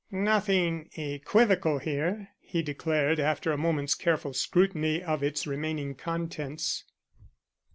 "Nothing equivocal here," he declared, after a moment's careful scrutiny of its remaining contents.